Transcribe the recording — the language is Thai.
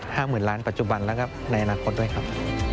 หมื่นล้านปัจจุบันแล้วก็ในอนาคตด้วยครับ